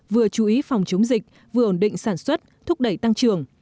vừa chú ý phòng chống dịch vừa ổn định sản xuất thúc đẩy tăng trưởng